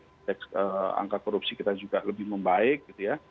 konteks angka korupsi kita juga lebih membaik gitu ya